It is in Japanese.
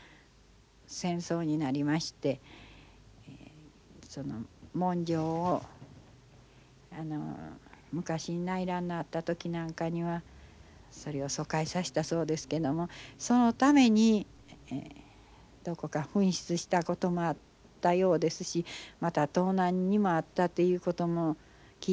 戦争になりましてその文書を昔内乱のあった時なんかにはそれを疎開させたそうですけどもそのためにどこか紛失したこともあったようですしまた盗難にも遭ったということも聞いております。